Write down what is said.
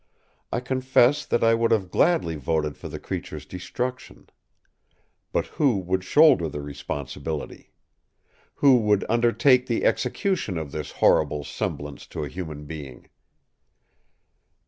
I confess that I would have gladly voted for the creature’s destruction. But who would shoulder the responsibility? Who would undertake the execution of this horrible semblance to a human being?